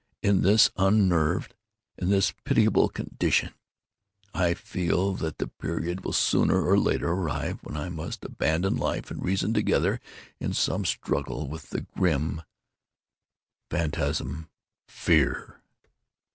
In this unnerved—in this pitiable condition—I feel that the period will sooner or later arrive when I must abandon life and reason together, in some struggle with the grim phantasm, FEAR."